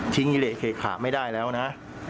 ทิ้งยิเละเขตขาไม่ได้แล้วนะ